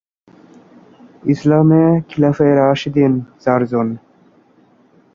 Malda polytechnic নামে সরকারী একটি পলিটেকনিক কলেজ ও মালদায় আছে।